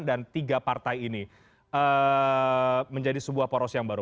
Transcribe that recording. dan tiga partai ini menjadi sebuah poros yang baru